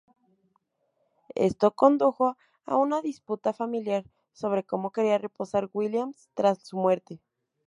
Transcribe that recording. Esto condujo a una disputa familiar sobre cómo quería reposar Williams tras su muerte.